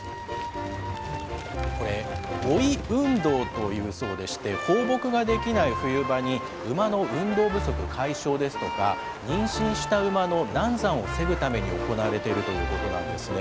これ、追い運動と言うそうでして、放牧ができない冬場に、馬の運動不足解消ですとか、妊娠した馬の難産を防ぐために行われているということなんですね。